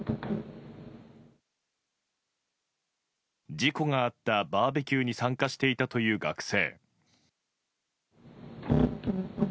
事故があったバーベキューに参加していたという学生。